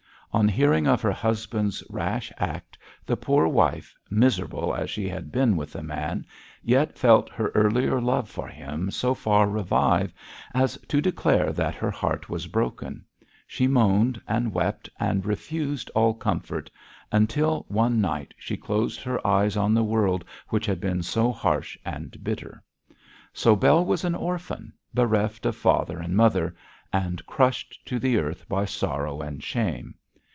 On hearing of her husband's rash act, the poor wife, miserable as she had been with the man, yet felt her earlier love for him so far revive as to declare that her heart was broken. She moaned and wept and refused all comfort, until one night she closed her eyes on the world which had been so harsh and bitter. So Bell was an orphan, bereft of father and mother, and crushed to the earth by sorrow and shame.